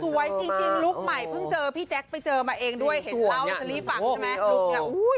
สวยจริงลุคใหม่เพิ่งเจอพี่แจ๊กไปเจอมาเองด้วยเห็นแล้ว